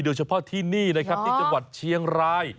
โดยเฉพาะที่นี่นะครับที่จังหวัดเชียงราย